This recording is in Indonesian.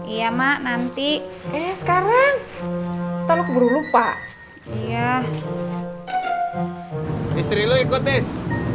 iya mak nanti eh sekarang kalau keburu lupa iya istri lu ikut is